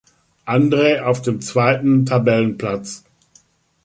Andrä auf dem zweiten Tabellenplatz.